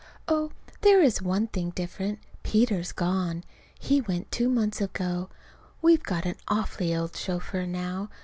Oh, there is one thing different Peter's gone. He went two months ago. We've got an awfully old chauffeur now.